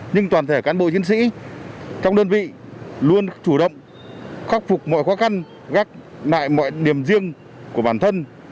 nhưng toàn thể cán bộ chiến sĩ trong đơn vị luôn chủ động khắc phục mọi khó khăn gác lại mọi điểm riêng của bản thân